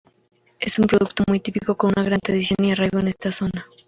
Es un producto muy típico con una gran tradición y arraigo en esta zona.